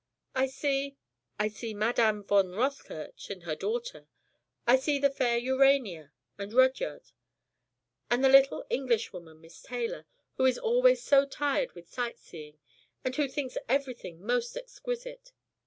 I see ... I see Madame von Rothkirch and her daughter, I see the fair Urania ... and Rudyard ... and the little Englishwoman, Miss Taylor, who is always so tired with sight seeing and who thinks everything most exquisite.